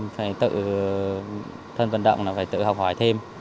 phải tự thân vận động là phải tự học hỏi thêm